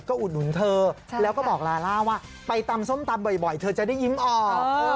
อุดหนุนเธอแล้วก็บอกลาล่าว่าไปตำส้มตำบ่อยเธอจะได้ยิ้มออก